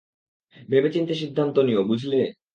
ভেবেচিন্তে সিদ্ধান্ত নিও, বুঝলে?